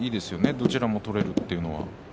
どっちでも取れるというのは。